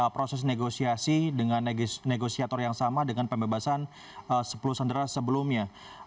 proses negosiasi dengan negosiator yang sama dengan pembebasan sepuluh sandera sebelumnya